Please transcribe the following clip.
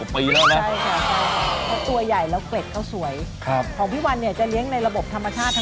ปลาช่อนอเมซอนเหรอใช่ใช่